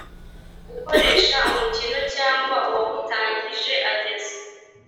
ukoresha umukino cyangwa uwawutangije ageza